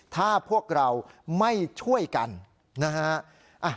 ถ้าพวกเราไม่ช่วยกันนะฮะ